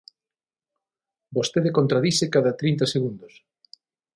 ¡Vostede contradise cada trinta segundos!